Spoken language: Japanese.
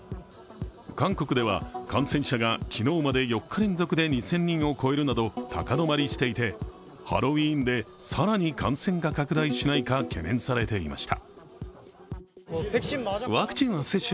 韓国では感染者が昨日まで４日連続で２０００人を超えるなど、高止まりしていて、ハロウィーンで更に感染が拡大しないか懸念されていました。